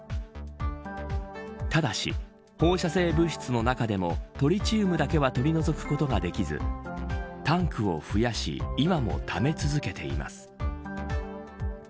ただし、放射性物質の中でもトリチウムだけは取り除くことができずタンクを増やし今も、ため続けています。